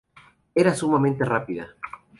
Era sumamente rápida.